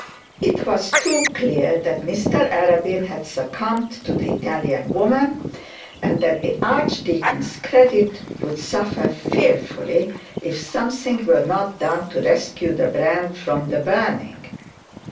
It was too clear that Mr Arabin had succumbed to the Italian woman, and that the archdeacon's credit would suffer fearfully if something were not done to rescue the brand from the burning.